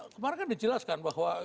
kemarin kan dijelaskan bahwa